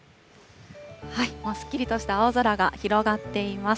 もうすっきりとした青空が広がっています。